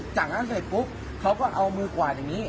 จากนั้นเสร็จปุ๊บเขาก็เอามือกวาดอย่างนี้